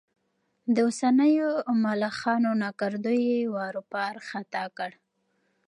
د اوسنيو ملخانو ناکردو یې واروپار ختا کړ.